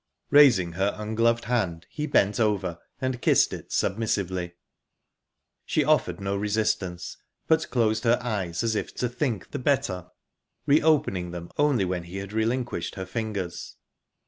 Raising her ungloved hand, he bent over and kissed it submissively. She offered no resistance, but closed her eyes, as if to think the better, reopening them only when he had relinquished her fingers.